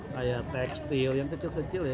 kayak tekstil yang kecil kecil ya